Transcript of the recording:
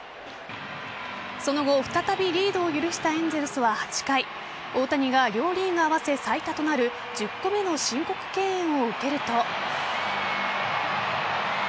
その後、再びリードを許したエンゼルスは８回大谷が両リーグ合わせ最多となる１０個目の申告敬遠を受けると。